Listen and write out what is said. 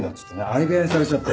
相部屋にされちゃって。